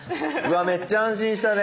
めっちゃ安心したね。